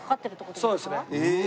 そうですね。